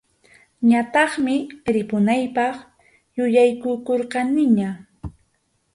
Ñataqmi ripunaypaq yuyaykukurqaniña.